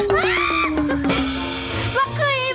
บางครึ่ง